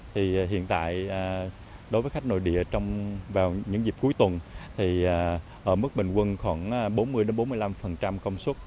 thì hiện tại đối với khách nội địa trong vào những dịp cuối tuần thì ở mức bình quân khoảng bốn mươi bốn mươi năm công suất